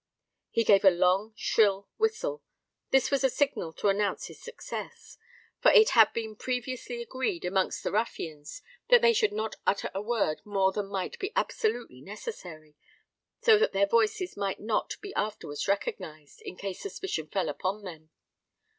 He gave a long shrill whistle: this was a signal to announce his success; for it had been previously agreed amongst the ruffians that they should not utter a word more than might be absolutely necessary, so that their voices might not be afterwards recognised, in case suspicion fell upon them.